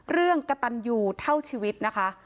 เรื่องกะตันยูเท่าชีวิตนะคะ